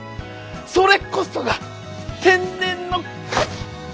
それこそが天然のカキ！